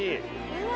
うわ。